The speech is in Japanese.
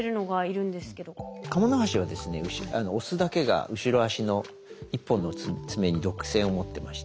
オスだけが後ろ足の１本の爪に毒性を持ってまして。